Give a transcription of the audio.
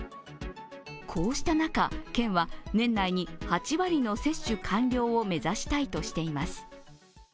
こうした中、県は年内に８割の接種完了を目指したいとしています。